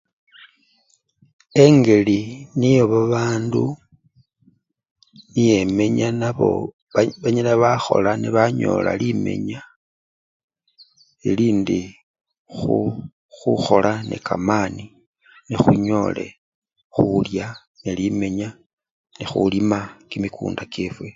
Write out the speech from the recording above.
Engeli niye babandy nibo emenya nabo bayi! banyala bakhola nebanyola limenya, elindi khu! khukhola nekamani nekhunyole khulya nelimenya nekhulima kimikunda kyefwe.